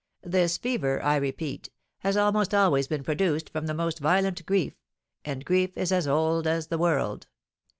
This fever, I repeat, has almost always been produced from the most violent grief, and grief is as old as the world.